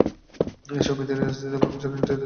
এই সময়ে তিনি রাজনীতিতে প্রথম সারির নেতৃত্বে চলে আসেন।